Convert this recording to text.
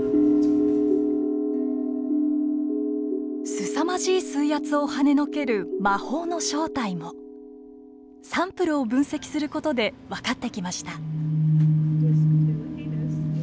すさまじい水圧をはねのける魔法の正体もサンプルを分析する事で分かってきました。